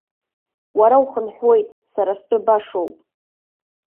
Уара ухынҳәуеит, сара стәы башоуп!